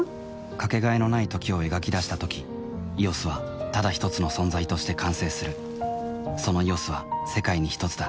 かけがえのない「時」を描き出したとき「ＥＯＳ」はただひとつの存在として完成するその「ＥＯＳ」は世界にひとつだ